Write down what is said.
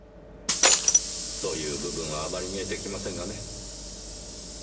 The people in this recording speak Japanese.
そういう部分はあまり見えてきませんがね。